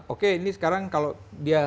oke ini sekarang kalau dia